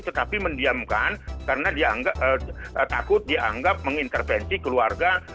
tetapi mendiamkan karena takut dianggap mengintervensi keluarga